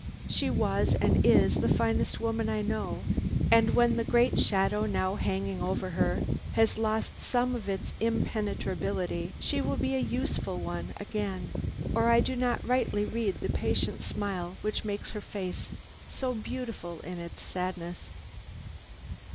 She was, and is, the finest woman I know, and when the great shadow now hanging over her has lost some of its impenetrability, she will be a useful one again, or I do not rightly read the patient smile which makes her face so beautiful in its sadness.